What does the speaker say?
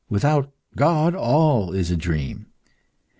Without God all is a dream.